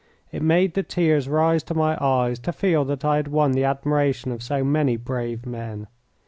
It made the tears rise to my eyes to feel that I had won the admiration of so many brave men.